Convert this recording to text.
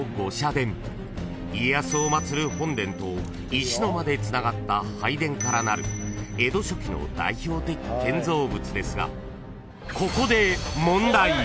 ［家康を祭る本殿と石の間でつながった拝殿からなる江戸初期の代表的建造物ですがここで］